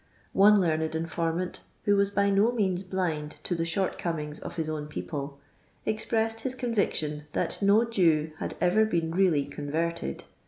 One learned infonnan^ who wag by no means blind to the short comingi of hit own people, expressed his conriction that no Jew had ever been really converttd.